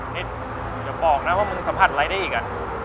เดี๋ยวบอกนะว่ามึงสะพัดไรได้อีกอะ